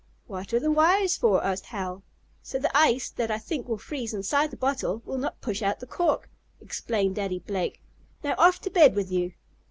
"What are the wires for?" asked Hal. "So the ice, that I think will freeze inside the bottle, will not push out the cork," explained Daddy Blake. "Now off to bed with you!"